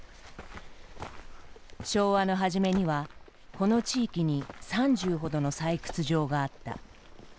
昭和の初めにはこの地域に３０ほどの採掘場があった。